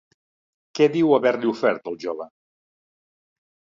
Què diu haver-li ofert al jove?